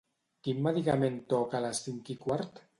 Quin medicament toca a les cinc i quart?